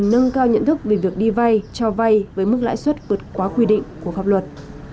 nâng cao nhận thức về việc đi vay cho vay với mức lãi suất vượt quá quy định của pháp luật